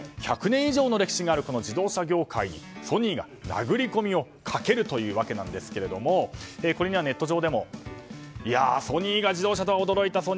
１００年以上の歴史があるこの自動車業界にソニーが殴り込みをかけるというわけなんですがこれにはネット上でもソニーが自動車とは驚いた。